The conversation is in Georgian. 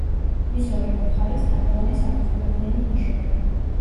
მის ორივე მხარეს თაღოვანი, საფეხურებიანი ნიშებია.